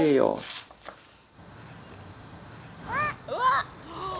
うわっ！